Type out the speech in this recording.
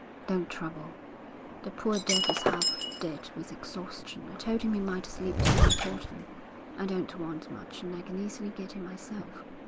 'Don't trouble. The poor devil's half dead with exhaustion. I told him he might sleep till I called him. I don't want much, and I can easily get it myself.'